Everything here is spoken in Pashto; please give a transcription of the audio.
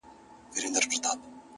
د چا خبرو ته به غوږ نه نيسو’